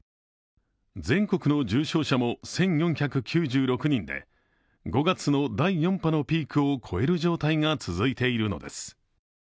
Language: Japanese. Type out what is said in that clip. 全国の重症者も１４９６人で５月の第４波のピークを超える状態が続いているのです。